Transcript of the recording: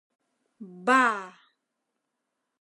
— Ба!